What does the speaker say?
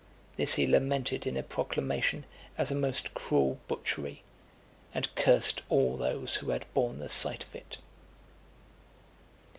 This he lamented in a proclamation as a most cruel butchery, and cursed all those who had borne the sight of it.